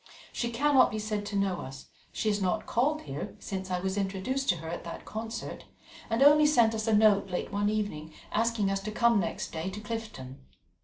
She cannot be said to know us; she has not called here since I was introduced to her at that concert, and only sent us a note late one evening asking us to come next day to Clifton.